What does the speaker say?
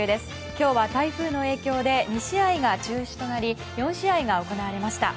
今日は台風の影響で２試合が中止となり４試合が行われました。